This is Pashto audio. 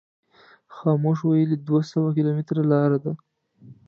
خاموش ویلي دوه سوه کیلومتره لار ده.